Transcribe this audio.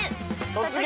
「突撃！